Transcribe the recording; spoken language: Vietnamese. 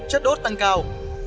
chất đốt tăng cao